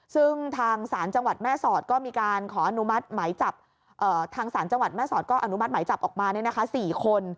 ซึ่งทางศาลจังหวัดแม่สอดก็มีการขออนุมัติหมายจับทางศาลจังหวัดแม่สอดก็อนุมัติหมายจับออกมา๔คน